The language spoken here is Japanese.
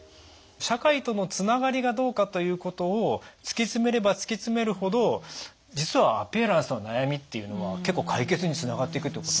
社会とのつながりがどうかということを突き詰めれば突き詰めるほど実はアピアランスの悩みっていうのは結構解決につながっていくということ。